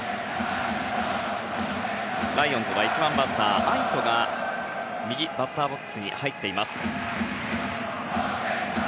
ライオンズは１番バッター、愛斗が右バッターボックスに入っています。